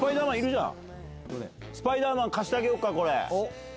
スパイダーマン貸してあげようかこれ。